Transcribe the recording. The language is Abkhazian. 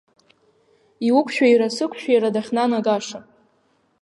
Иуқәшәира-сықәшәира дахьнанагаша!